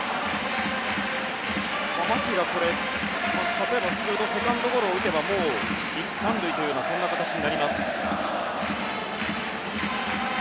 牧が例えば普通のセカンドゴロを打てばもう１、３塁という形になります。